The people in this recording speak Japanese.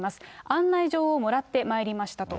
案内状をもらってまいりましたと。